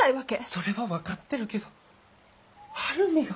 それは分かってるけど晴海が。